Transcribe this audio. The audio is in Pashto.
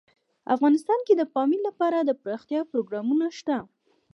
افغانستان کې د پامیر لپاره دپرمختیا پروګرامونه شته.